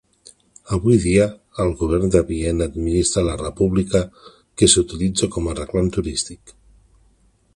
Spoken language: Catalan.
Avui dia, el govern de Viena administra la República, que s'utilitza com a reclam turístic.